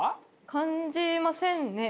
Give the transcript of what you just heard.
感じませんね。